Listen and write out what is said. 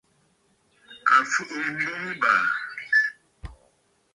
À fùʼu mboŋ ɨ̀bàà!